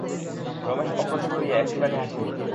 রমেশ অপ্রতিভ হইয়া একটুখানি হাসিল।